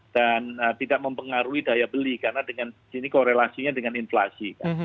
dan tidak mempengaruhi daya beli karena dengan ini korelasinya dengan inflasi